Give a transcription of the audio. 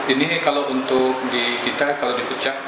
ini kalau untuk di kita kalau di puncak